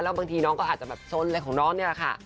บางทีน้องก็อาจจะแบบสนอะไรของน้องนี่แหละค่ะ